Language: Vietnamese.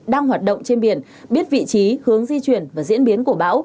đang hoạt động trên biển biết vị trí hướng di chuyển và diễn biến của bão